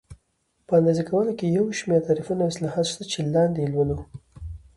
په اندازه کولو کې یو شمېر تعریفونه او اصلاحات شته چې لاندې یې لولو.